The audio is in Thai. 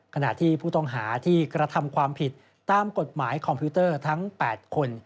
ขณะที่ผู้ต้องหาที่กระทำความผิดตามกฎหมายคอมพิวเตอร์ทั้ง๘คน